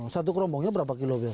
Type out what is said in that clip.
satu kerombongnya berapa kilo biasanya